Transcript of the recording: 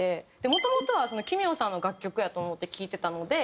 もともとは奇妙さんの楽曲やと思って聴いてたので。